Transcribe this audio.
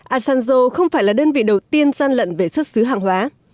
asanjo không phải là đơn vị đầu tiên gian lận về xuất xứ hàng hóa